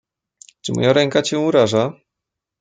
"Czy moja ręka cię uraża?"